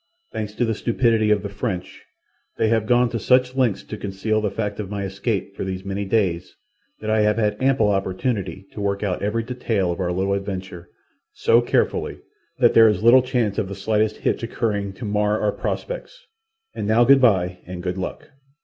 Thanks to the stupidity of the French, they have gone to such lengths to conceal the fact of my escape for these many days that I have had ample opportunity to work out every detail of our little adventure so carefully that there is little chance of the slightest hitch occurring to mar our prospects. And now good bye, and good luck!"